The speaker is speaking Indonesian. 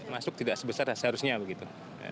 masuk tidak sebesar seharusnya begitu